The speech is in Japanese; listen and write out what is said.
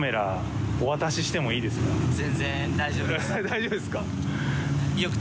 大丈夫ですか？